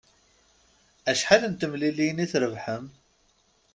Acḥal n temliliyin i trebḥem?